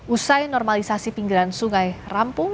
usai normalisasi pinggiran sungai rampung